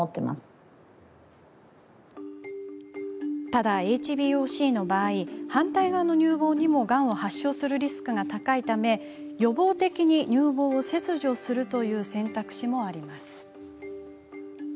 ただ、ＨＢＯＣの場合反対側の乳房にも、がんを発症するリスクが高いため予防的に乳房を切除するという選択肢もあります。